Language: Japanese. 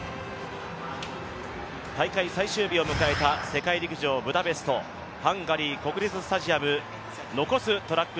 大会最終日を迎えた世界陸上ブダペスト、ハンガリー国立スタジアム、残すトラック